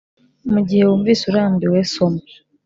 Mu gihe wumvise urambiwe soma